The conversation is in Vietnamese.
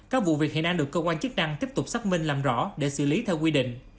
các vụ việc hiện đang được cơ quan chức năng tiếp tục xác minh làm rõ để xử lý theo quy định